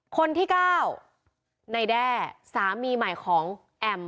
คนที่๙ในแด้สามีใหม่ของแอม